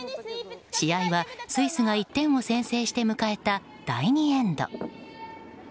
試合はスイスが１点を先制して迎えた第２エンド。